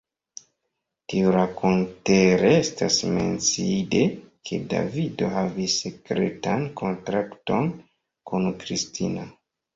Tiurakontere estas menciinde, ke Davido havis sekretan kontrakton kun Kristina.